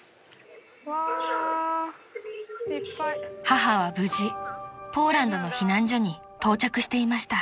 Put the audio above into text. ［母は無事ポーランドの避難所に到着していました］